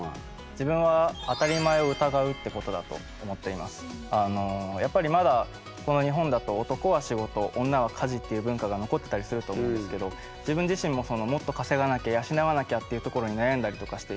自分はやっぱりまだこの日本だと男は仕事女は家事っていう文化が残ってたりすると思うんですけど自分自身ももっと稼がなきゃ養わなきゃっていうところに悩んだりとかしていて。